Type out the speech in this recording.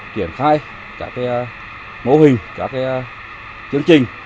triển khai các mô hình các chương trình